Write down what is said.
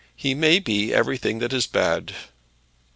He may be everything that is bad."